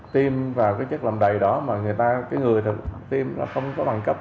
tiêm vào cái chất làm đầy đó mà người ta cái người tiêm nó không có bằng cấp